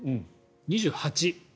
２８。